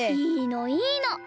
いいのいいの。